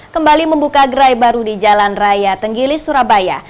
kembali membuka gerai baru di jalan raya tenggilis surabaya